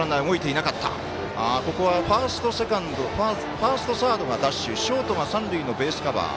ファースト、サードがダッシュショートが三塁のベースカバー。